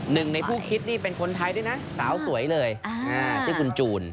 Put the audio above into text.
หนึ่งในผู้คิดนี่เป็นคนไทยด้วยนะสาวสวยเลยชื่อคุณจูน